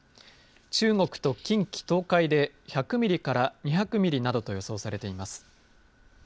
中国と近畿、東海で１００ミリから２００ミリなどと予想されています。